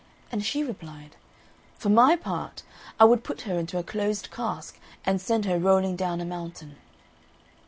And she replied, "For my part, I would put her into a closed cask, and send her rolling down a mountain."